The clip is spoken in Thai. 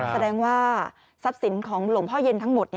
แสดงว่าทรัพย์สินของหลวงพ่อเย็นทั้งหมด